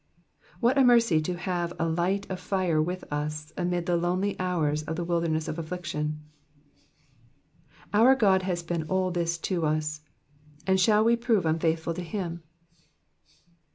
What a mercy to have a light of fire with us amid the lonely horrors of the wilderness of affliction. Our God has been all this to us, and shall we prove unfaithful to him